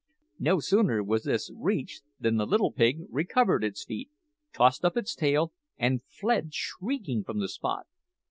No sooner was this reached than the little pig recovered its feet, tossed up its tail, and fled shrieking from the spot.